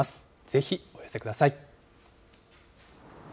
ぜひお寄せください。